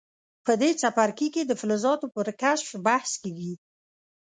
په دې څپرکي کې د فلزاتو پر کشف بحث کیږي.